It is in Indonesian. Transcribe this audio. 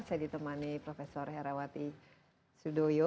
saya ditemani prof herawati sudoyo